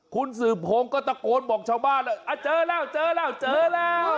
คุณสืบพงศ์ก็ตะโกนบอกชาวบ้านแล้วเจอแล้วเจอแล้วเจอแล้ว